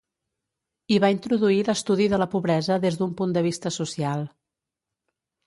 I va introduir l'estudi de la pobresa des d'un punt de vista social.